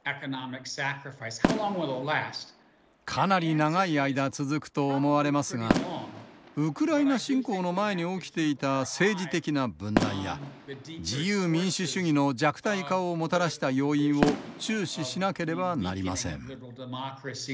かなり長い間続くと思われますがウクライナ侵攻の前に起きていた政治的な分断や自由民主主義の弱体化をもたらした要因を注視しなければなりません。